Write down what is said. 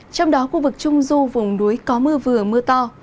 trong đó khu vực trung du vùng núi có mưa vừa mưa to